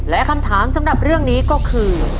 แล้วสำหรับเรื่องนี้ก็คือ